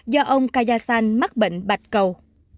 do ông kayasan mắc bệnh bạch cầu